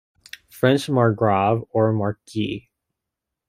French "margrave" or "marquis".